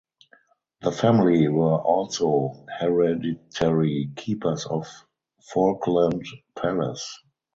The family were also hereditary keepers of Falkland Palace.